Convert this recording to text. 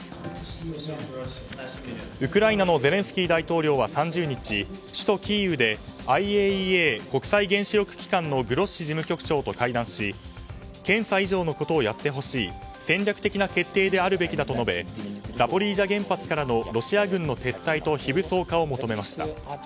ウクライナのゼレンスキー大統領は３０日首都キーウでＩＡＥＡ・国際原子力機関のグロッシ事務局長と会談し検査以上のことをやってほしい戦略的な決定であるべきだと述べザポリージャ原発からのロシア軍の撤退と非武装化を求めました。